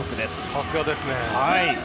さすがですね。